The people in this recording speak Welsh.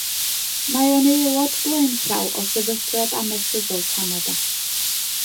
Mae o'n aelod blaenllaw o Sefydliad Amaethyddol Canada.